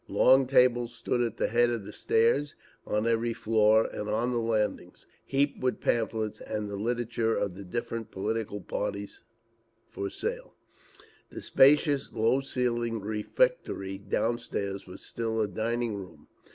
Long tables stood at the head of the stairs on every floor, and on the landings, heaped with pamphlets and the literature of the different political parties, for sale…. The spacious, low ceilinged refectory downstairs was still a dining room.